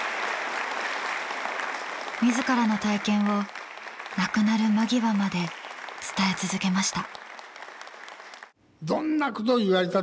自らの体験を亡くなる間際まで伝え続けました。